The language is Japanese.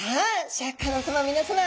シャーク香音さま皆さま。